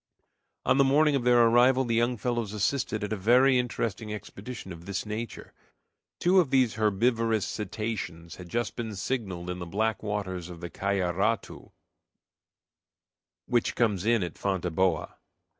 On the morning of their arrival the young fellows assisted at a very interesting expedition of this nature. Two of these herbivorous cetaceans had just been signaled in the black waters of the Cayaratu, which comes in at Fonteboa.